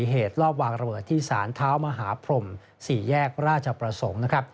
เหตุรอบวางระเบิดที่สารเท้ามหาพรม๔แยกราชประสงค์นะครับ